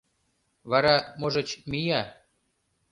— Вара, можыч, мия.